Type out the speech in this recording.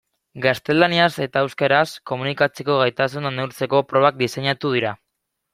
Gaztelaniaz eta euskaraz komunikatzeko gaitasuna neurtzeko probak diseinatu dira.